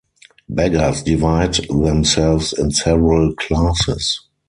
Beggars divide themselves in several classes.